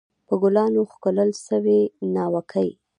په ګلانو ښکلل سوې ناوکۍ